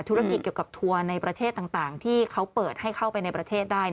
ธุรกิจเกี่ยวกับทัวร์ในประเทศต่างที่เขาเปิดให้เข้าไปในประเทศได้